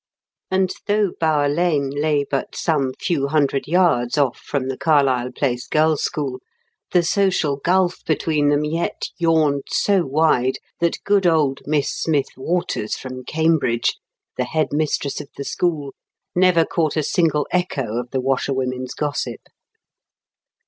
And though Bower Lane lay but some few hundred yards off from the Carlyle Place Girl's School, the social gulf between them yet yawned so wide that good old Miss Smith Waters from Cambridge, the head mistress of the school, never caught a single echo of the washerwomen's gossip.